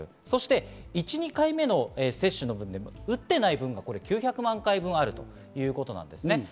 そして１・２回目の接種の分で打っていない分も９００万回分あるということなんですね。